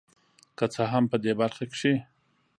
که څه هم په دې برخه کې